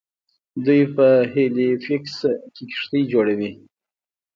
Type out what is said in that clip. دوی په هیلیفیکس کې کښتۍ جوړوي.